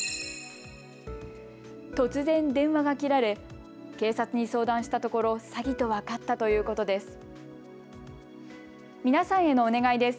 突然、電話が切られ警察に相談したところ詐欺と分かったということです。